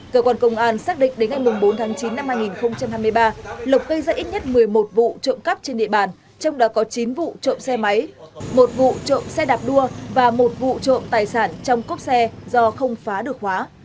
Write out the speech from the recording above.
cơ quan công an xác định đến ngày bốn tháng chín năm hai nghìn hai mươi ba lộc gây ra ít nhất một mươi một vụ trộm cắp trên địa bàn trong đó có chín vụ trộm xe máy một vụ trộm xe đạp đua và một vụ trộm tài sản trong cốc xe do không phá được khóa